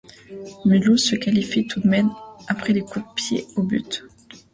Mulhouse se qualifie tout de même après les coups de pied au but.